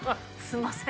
すんません。